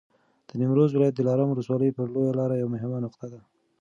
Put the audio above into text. د نیمروز ولایت دلارام ولسوالي پر لویه لاره یوه مهمه نقطه ده.